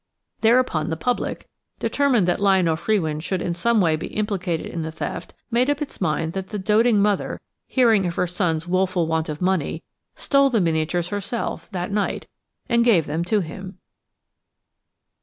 Thereupon the public, determined that Lionel Frewin should in some way be implicated in the theft, made up its mind that the doting mother, hearing of her son's woeful want of money, stole the miniatures herself that night and gave them to him.